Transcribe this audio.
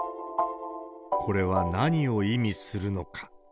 これは何を意味するのか。